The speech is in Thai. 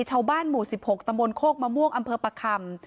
ชาวบ้านหมู่๑๖ตำบลโคกมะม่วงอำเภอประคำ